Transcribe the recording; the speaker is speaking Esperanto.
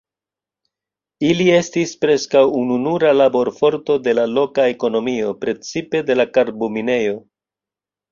Ili estis preskaŭ ununura laborforto de la loka ekonomio, precipe de la karbo- minejo.